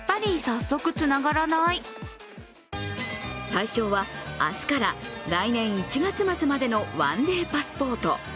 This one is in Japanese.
対象は、明日から来年１月末までの、１デーパスポート。